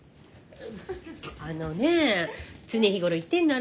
あのねえ常日頃言ってんだろ？